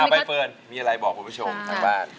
ใบเฟิร์นมีอะไรบอกบนผู้ชมถึงท่านบ้าน